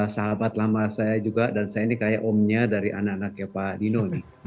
sahabat lama saya juga dan saya ini kayak omnya dari anak anaknya pak dino nih